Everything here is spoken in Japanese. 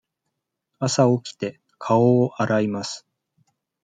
朝起きて、顔を洗います。